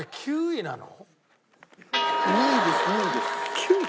２位なの？